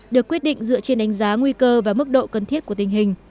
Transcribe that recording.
được quyết định dựa trên đánh giá nguy cơ và mức độ cần thiết của tình hình